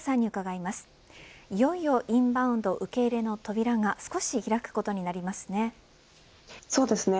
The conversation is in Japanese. いよいよインバウンド受け入れの扉が少し開くことになりますね。